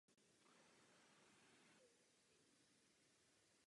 Oslovil jste nové generace.